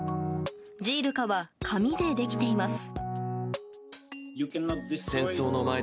ジールカは紙でできています。